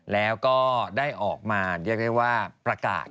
แล้วก็ได้ออกมาเรียกได้ว่าประกาศ